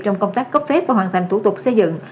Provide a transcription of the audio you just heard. trong công tác cấp phép và hoàn thành thủ tục xây dựng